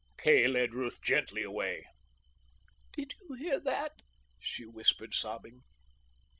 Kay led Ruth gently away. "Did you hear that?" she whispered, sobbing.